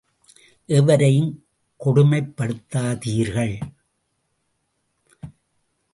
எவரையும் கொடுமைப் படுத்தாதீர்கள்.